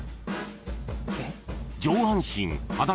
［上半身裸］